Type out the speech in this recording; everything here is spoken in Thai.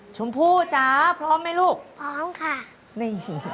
ชมพู่จ๋าพร้อมไหมลูกพร้อมค่ะนี่